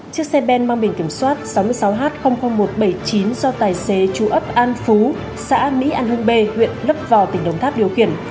chiếc xe ben mang bình kiểm soát sáu mươi sáu h một trăm bảy mươi chín do tài xế chú ấp an phú xã mỹ an hưng bê huyện lấp vò tỉnh đồng tháp điều khiển